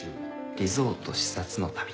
リゾート視察の旅。